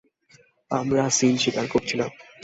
আমরা সিল শিকার করছিলাম।